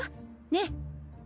ねっ？